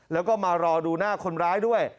แล้วก็มารอดูหน้าคนร้ายด้วย